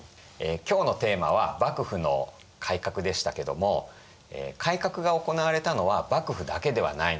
今日のテーマは「幕府の改革」でしたけども改革が行われたのは幕府だけではないんですね。